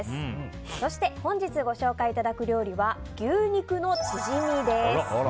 そして本日ご紹介いただく料理は牛肉のチヂミです。